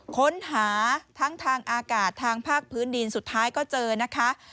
ค้นหาทั้งทางอากาศทางภาคพื้นดินสุดท้ายก็เจอนะคะ